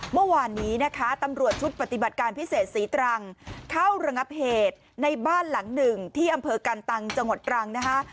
เมื่อวานนี้นะคะตำรวจชุดปฏิบัติการพิเศษศรีตรังเข้าระงับเหตุในบ้านหลังหนึ่งที่อำเภอกันตังจังหวัดตรังนะคะ